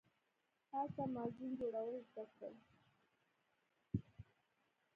هلته ما زین جوړول زده کړل.